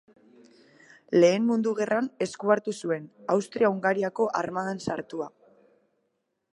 Lehen Mundu Gerran esku hartu zuen, Austria-Hungariako armadan sartua.